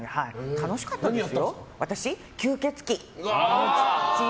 楽しかったです。